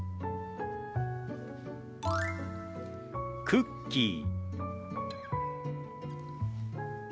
「クッキー」。